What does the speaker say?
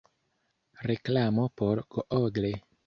Reklamo por Google.